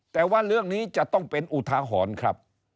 แต่ว่าเรื่องนี้จะต้องเป็นอุทาหรณ์ครับ